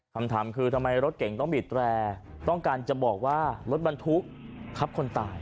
คำถามคือทำไมรถเก่งต้องบีดแตรต้องการจะบอกว่ารถบรรทุกทับคนตาย